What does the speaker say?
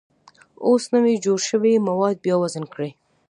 اوس نوي جوړ شوي مواد بیا وزن کړئ.